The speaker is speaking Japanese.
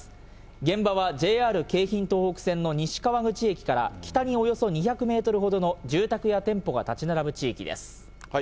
現場はＪＲ京浜東北線の西川口駅から北におよそ２００メートルほどの住宅や店舗が建ち並ぶ地域です。